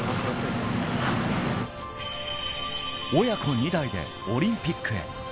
親子２代でオリンピックへ。